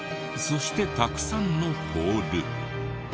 そしてたくさんのポール。